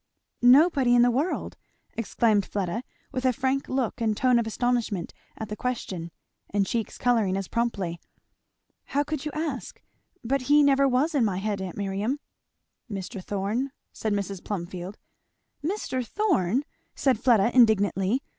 "Nobody in the world!" exclaimed Fleda with a frank look and tone of astonishment at the question, and cheeks colouring as promptly. "How could you ask? But he never was in my head, aunt Miriam." "Mr. Thorn?" said Mrs. Plumfield. "Mr. Thorn!" said Fleda indignantly.